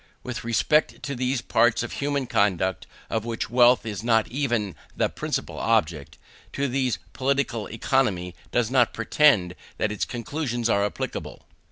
With respect to those parts of human conduct of which wealth is not even the principal object, to these Political Economy does not pretend that its conclusions are applicable.